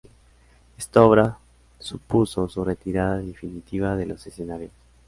Esta obra supuso su retirada definitiva de los escenarios.